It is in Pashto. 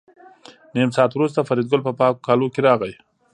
نیم ساعت وروسته فریدګل په پاکو کالو کې راغی